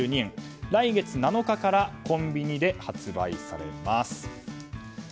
来月７日からコンビニで発売されます。